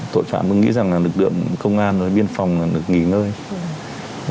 tội phạm cũng nghĩ rằng là lực lượng công an biên phòng được nghỉ ngơi